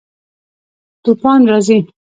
توپان راځي